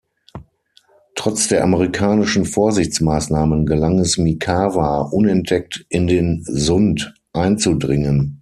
Trotz der amerikanischen Vorsichtsmaßnahmen gelang es Mikawa, unentdeckt in den Sund einzudringen.